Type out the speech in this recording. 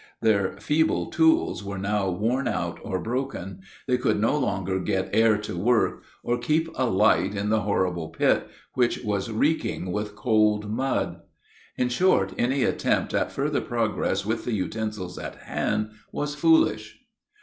Their feeble tools were now worn out or broken; they could no longer get air to work, or keep a light in the horrible pit, which was reeking with cold mud; in short, any attempt at further progress with the utensils at hand was foolish.